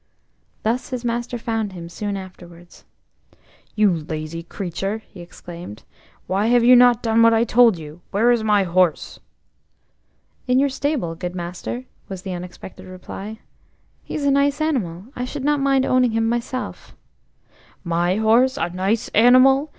Thus his master found him soon afterwards. "You lazy creature," he exclaimed, "why have you not done what I told you? Where is my horse?" "In your stable, good master," was the unexpected reply. "He's a nice animal–I should not mind owning him myself." "My horse a nice animal?"